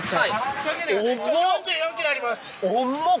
重っ！